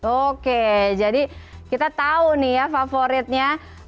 oke jadi kita tahu nih ya favoritnya